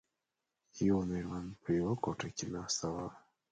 یوه میرمن په یوه کوټه کې ناسته وه.